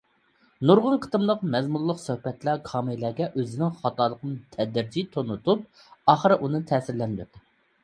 نۇرغۇن قېتىملىق مەزمۇنلۇق سۆھبەتلەر كامىلەگە ئۆزىنىڭ خاتالىقىنى تەدرىجىي تونۇتۇپ، ئاخىرى ئۇنى تەسىرلەندۈردى.